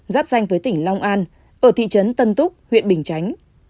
giáp danh với tỉnh long an ở thị trấn tân túc huyện bình chánh